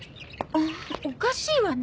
おかしいわね。